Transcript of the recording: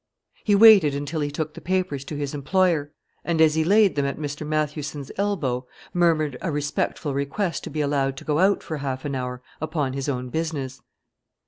He waited until he took the papers to his employer; and as he laid them at Mr. Mathewson's elbow, murmured a respectful request to be allowed to go out for half an hour, upon his own business.